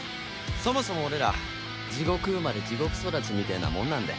そもそも俺ら地獄生まれ地獄育ちみたいなもんなんで。